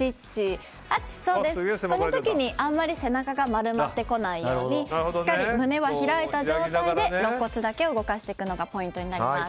この時にあまり背中が丸まってこないようにしっかり胸は開いた状態でろっ骨だけ動かすのがポイントになります。